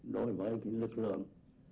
đối với lực lượng